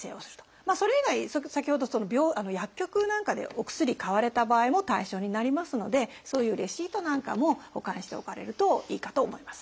それ以外先ほど薬局なんかでお薬買われた場合も対象になりますのでそういうレシートなんかも保管しておかれるといいかと思います。